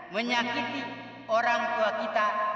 menyakiti orang tua kita